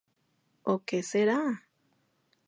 O Que Será?